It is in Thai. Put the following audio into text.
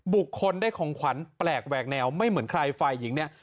บุคคลได้ของขวัญแปลกแหวกแนวไม่เหมือนใครฝ่ายหญิงเนี่ย